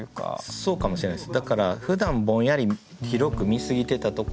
そうかもしれないです。